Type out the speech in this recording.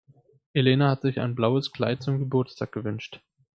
Elena hat sich ein blaues Kleid zum Geburtstag gewünscht.